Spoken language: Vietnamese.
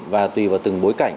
và tùy vào từng bối cảnh